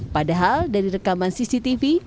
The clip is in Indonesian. padahal dari rekaman cctv